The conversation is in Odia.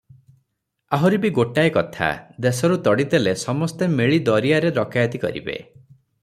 ଆହୁରି ବି ଗୋଟାଏ କଥା, ଦେଶରୁ ତଡ଼ି ଦେଲେ ସମସ୍ତେ ମିଳି ଦରିଆରେ ଡକାଏତି କରିବେ ।